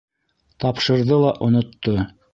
Тапшырҙы ла онотто.